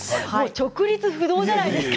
直立不動じゃないですか。